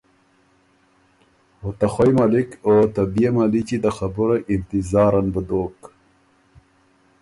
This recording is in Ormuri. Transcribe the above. او ته خوئ ملِک او ته بيې مَلِچی ته خبُرئ انتظارن بُو دوک